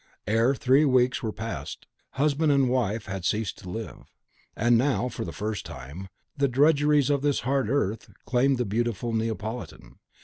Ere three weeks were passed, husband and wife had ceased to live. And now, for the first time, the drudgeries of this hard earth claimed the beautiful Neapolitan.